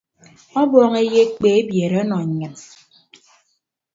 Ọbọñ eyekpe ebiere ọnọ nnyịn.